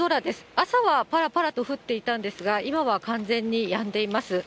朝はぱらぱらと降っていたんですが、今は完全にやんでいます。